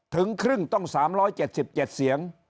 ถึงครึ่งต้อง๓๗๗เสียง